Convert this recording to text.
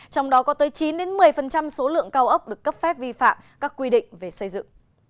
trong đó có tới chín một mươi số lượng cao ốc được cấp phép vi phạm các quy định về xây dựng